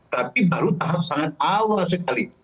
tapi baru tahap sangat awal sekali